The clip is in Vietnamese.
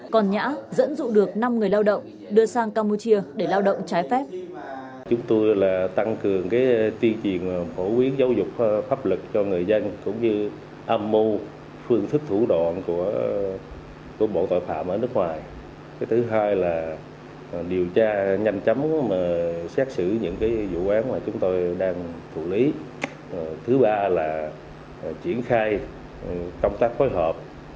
còn nhã dẫn dụ được năm người lao động đưa sang campuchia để lao động trái phép